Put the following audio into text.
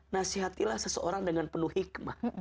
nasihatilah seseorang dengan penuh hikmah